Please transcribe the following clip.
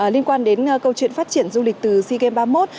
liên quan đến câu chuyện phát triển du lịch từ sea games ba mươi một